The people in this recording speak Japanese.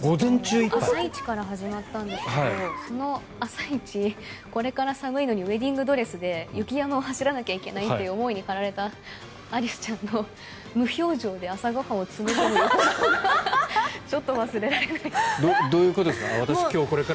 朝一から始まったんですけどその朝一、これから寒いのにウェディングドレスで雪山を走らなきゃいけないという思いに駆られたアリスちゃんの無表情で朝、ご飯をつまんでいたのがどういうことですか？